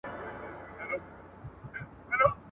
هیوادونه د نوي پوهې په ترلاسه کولو کي سیالي کوي.